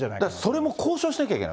それも交渉しなきゃいけない？